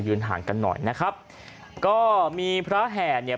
ห่างกันหน่อยนะครับก็มีพระแห่เนี่ย